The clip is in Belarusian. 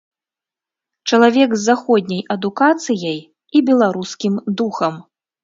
Чалавек з заходняй адукацыяй і беларускім духам.